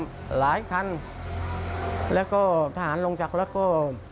มาหลายท่านและทหารลงจากแล้วก็